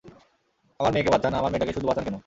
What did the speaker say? আমার মেয়েকে বাঁচান, আমার মেয়েটাকে শুধু বাঁচান কেনো?